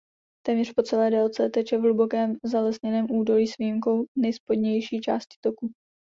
Téměř po celé délce teče v hlubokém zalesněném údolí s výjimkou nejspodnější části toku.